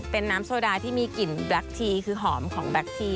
เป็นน้ำโซดาที่มีกลิ่นแบล็คทีคือหอมของแบ็คที